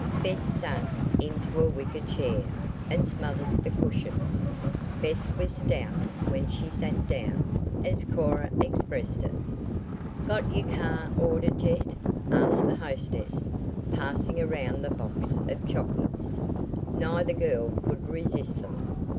Bess sank into a wicker chair and smothered the cushions. Bess was stout "when she sat down," as Cora expressed it. "Got your car ordered yet?" asked the hostess, passing around the box of chocolates. Neither girl could resist them.